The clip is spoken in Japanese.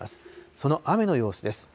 その雨の様子です。